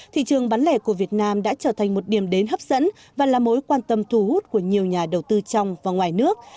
thị trường bán lẻ của việt nam đã trở thành một điểm đến hấp dẫn và là mối quan tâm thu hút của nhiều nhà đầu tư trong và ngoài nước